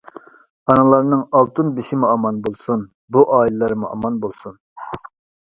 ئانىلارنىڭ ئالتۇن بېشىمۇ ئامان بولسۇن! بۇ ئائىلىلەرمۇ ئامان بولسۇن!